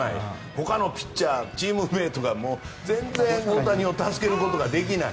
ほかのピッチャーチームメートが全然、大谷を助けられない。